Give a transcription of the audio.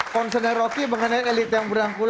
konsennya roti mengenai elit yang berangkulan